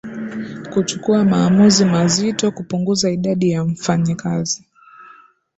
kuchukua maamuzi mazito kupunguza idadi ya mfanyakazi